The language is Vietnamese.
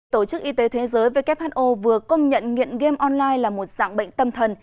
tổ chức y tế thế giới who vừa công nhận nghiện game online là một dạng bệnh tâm thần